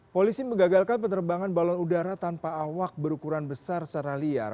polisi menggagalkan penerbangan balon udara tanpa awak berukuran besar secara liar